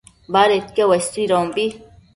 badedquio uesuidombi